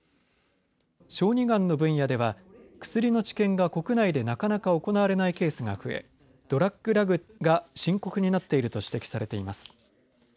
小児がんの分野では薬の治験が国内でなかなか行われないケースが増えドラッグラグが深刻になっていると指摘されています。